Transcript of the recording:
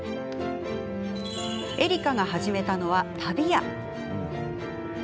えりかが始めたのは、旅屋。